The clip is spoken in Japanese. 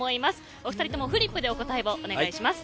お二人とも、フリップでお答えをお願いします。